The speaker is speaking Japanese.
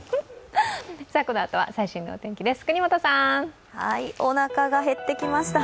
このあとは最新のお天気です。